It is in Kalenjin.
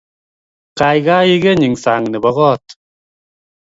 Kaikai igeny eng sang nebo kot